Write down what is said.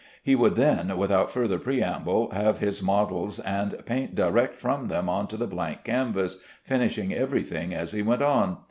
He would then, without further preamble, have his models, and paint direct from them on to the blank canvas, finishing every thing as he went on.